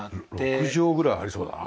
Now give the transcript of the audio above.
６畳ぐらいありそうだな。